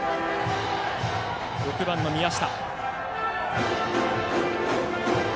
６番、宮下。